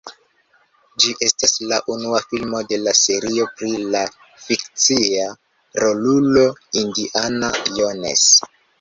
Ĝi estas la unua filmo de la serio pri la fikcia rolulo Indiana Jones.